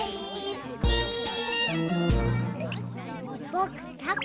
ぼくたこ